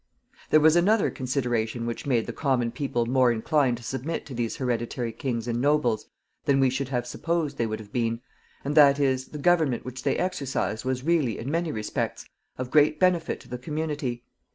There was another consideration which made the common people more inclined to submit to these hereditary kings and nobles than we should have supposed they would have been, and that is, the government which they exercised was really, in many respects, of great benefit to the community.